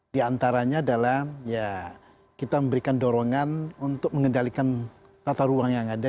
di antaranya adalah ya kita memberikan dorongan untuk mengendalikan tata ruang yang ada